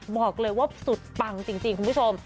บอกเลยว่าสุดปังจริงคุณผู้ชม